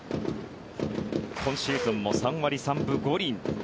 今シーズンも３割３分５厘。